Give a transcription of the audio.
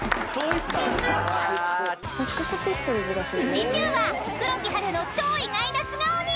［次週は黒木華の超意外な素顔に］